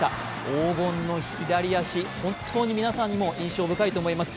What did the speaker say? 黄金の左足、本当に皆さんにも印象深いと思います。